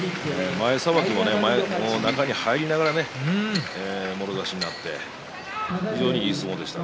中に入れながらもろ差しになって非常にいい相撲でした。